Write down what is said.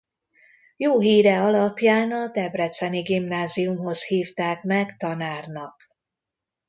Jó híre alapján a debreceni gimnáziumhoz hívták meg tanárnak.